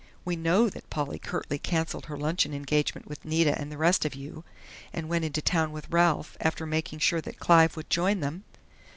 We know that Polly curtly cancelled her luncheon engagement with Nita and the rest of you, and went into town with Ralph, after making sure that Clive would join them.